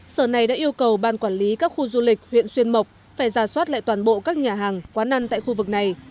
sở này đã yêu cầu ban quản lý các khu du lịch huyện xuyên mộc phải ra soát lại toàn bộ các nhà hàng quán ăn tại khu vực này